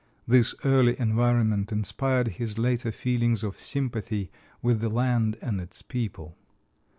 This early environment inspired his later feelings of sympathy with the land and its people.